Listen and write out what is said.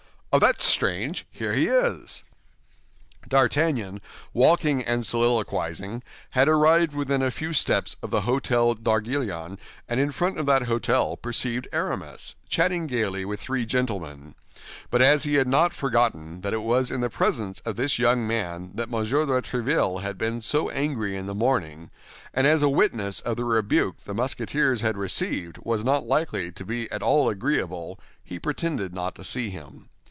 Ah! That's strange! Here he is!" D'Artagnan, walking and soliloquizing, had arrived within a few steps of the hôtel d'Arguillon and in front of that hôtel perceived Aramis, chatting gaily with three gentlemen; but as he had not forgotten that it was in presence of this young man that M. de Tréville had been so angry in the morning, and as a witness of the rebuke the Musketeers had received was not likely to be at all agreeable, he pretended not to see him.